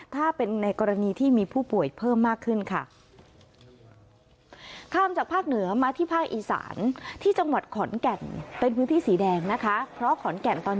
ถ้าเป็นในกรณีที่มีผู้ป่วยเพิ่มมากขึ้นค่ะ